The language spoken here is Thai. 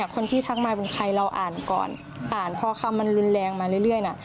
คนที่ทักมาเป็นใครเราอ่านก่อนอ่านพอคำมันรุนแรงมาเรื่อยน่ะ